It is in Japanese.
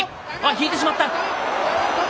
引いてしまった。